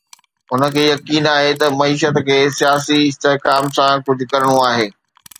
هن کي يقين آهي ته معيشت کي سياسي استحڪام سان ڪجهه ڪرڻو آهي.